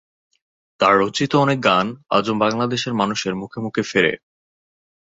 তার রচিত অনেক গান আজও বাংলাদেশের মানুষের মুখে মুখে ফেরে।